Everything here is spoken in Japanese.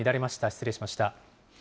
失礼しました。